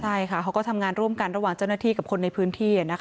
ใช่ค่ะเขาก็ทำงานร่วมกันระหว่างเจ้าหน้าที่กับคนในพื้นที่